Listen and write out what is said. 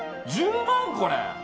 １０万、これ？